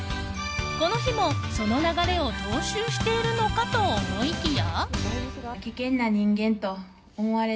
この日も、その流れを踏襲しているのかと思いきや。